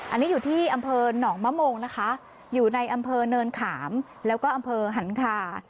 อันนี้อยู่ที่อำเภอหนองมะโมงนะคะอยู่ในอำเภอเนินขามแล้วก็อำเภอหันคา